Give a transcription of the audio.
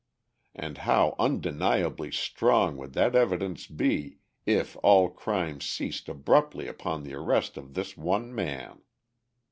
And how undeniably strong would that evidence be if all crime ceased abruptly upon the arrest of this one man!